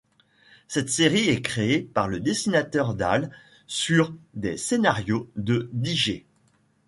Cette série est créée par le dessinateur Dale sur des scénarios de Didgé.